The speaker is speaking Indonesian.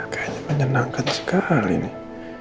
kayaknya menyenangkan sekali nih